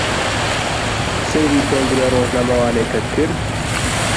سەیری کۆنگرە ڕۆژنامەوانییەکەت کرد؟